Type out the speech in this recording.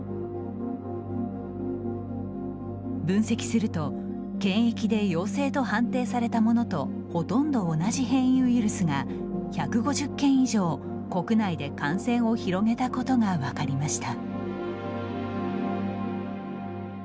分析すると検疫で陽性と判定されたものとほとんど同じ変異ウイルスが１５０件以上、国内で感染を広げたことが分かりました。